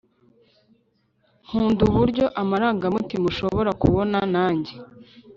nkunda uburyo amarangamutima ushobora kubona nanjye